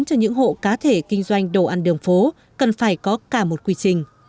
đối với những hộ cá thể kinh doanh đồ ăn đường phố cần phải có cả một quy trình